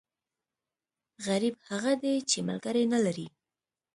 غریب هغه دی، چې ملکری نه لري.